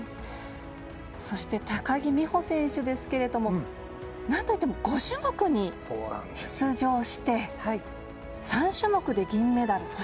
そして高木美帆選手ですけれどもなんといっても５種目に出場して３種目で銀メダル。